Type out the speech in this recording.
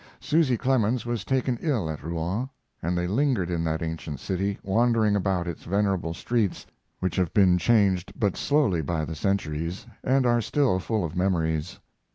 Susy Clemens was taken ill at Rouen, and they lingered in that ancient city, wandering about its venerable streets, which have been changed but slowly by the centuries, and are still full of memories.